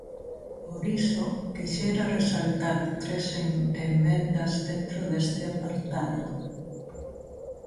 Por iso, quixera resaltar tres emendas dentro deste apartado.